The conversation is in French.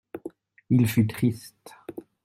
Il fut triste.